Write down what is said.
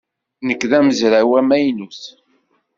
Nekk d amezraw amaynut.